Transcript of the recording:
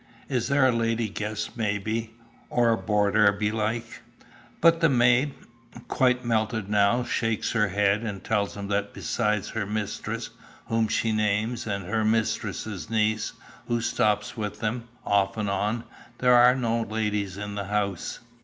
Is there a lady guest maybe, or a boarder belike?" But the maid, quite melted now, shakes her head, and tells him that beside her mistress, whom she names, and her mistress' niece, who stops with them, "off and on," there are no ladies in the house.